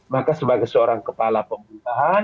maka sebagai seorang kepala pemerintahan